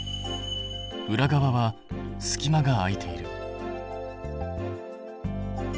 裏側は隙間が空いている。